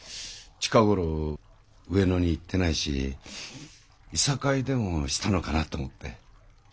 近ごろ上野に行ってないし諍いでもしたのかなと思って。